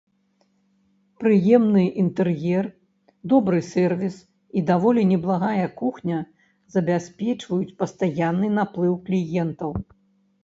Прыемны інтэр'ер, добры сэрвіс і даволі неблагая кухня забяспечваюць пастаянны наплыў кліентаў.